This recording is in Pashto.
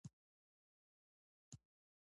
نه ټکټ شته